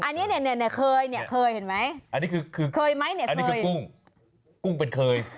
อันนี้เนี่ยเคยเนี่ยเคยเห็นไหมอันนี้คือกุ้งคุณเป็นเคย